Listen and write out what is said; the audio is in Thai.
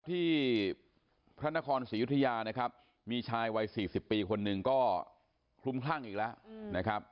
ที่พระนครศรียุธยานะครับมีชายวัย๔๐ปีคนหนึ่งก็คลุมคลั่งอีกแล้วนะครับ